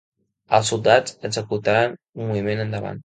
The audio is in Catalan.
Els soldats executaren un moviment endavant.